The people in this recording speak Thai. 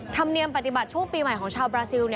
ธรรมเนียมปฏิบัติช่วงปีใหม่ของชาวบราซิล